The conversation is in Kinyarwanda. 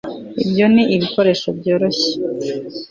ibyo ni ibikoresho byoroshye